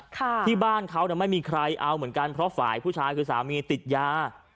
ที่บ้านเขาเนี่ยไม่มีใครเอาเหมือนกันเพราะฝ่ายผู้ชายคือสามีติดยา